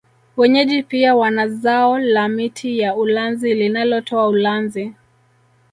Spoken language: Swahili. Wenyeji pia wanazao la miti ya ulanzi linalotoa ulanzi